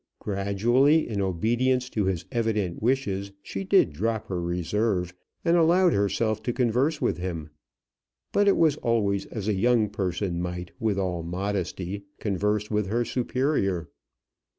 Gradually, in obedience to his evident wishes, she did drop her reserve, and allowed herself to converse with him; but it was always as a young person might with all modesty converse with her superior.